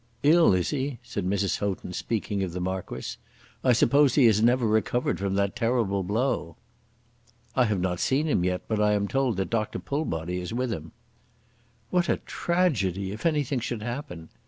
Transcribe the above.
"Ill is he?" said Mrs. Houghton, speaking of the Marquis, "I suppose he has never recovered from that terrible blow." "I have not seen him yet, but I am told that Dr. Pullbody is with him." "What a tragedy, if anything should happen!